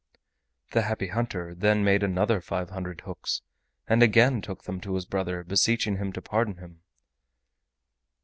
The Happy Hunter then made another five hundred hooks, and again took them to his brother, beseeching him to pardon him.